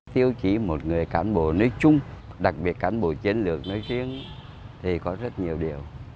tiêu chí một người cán bộ nói chung đặc biệt cán bộ chiến lược nói riêng thì có rất nhiều điều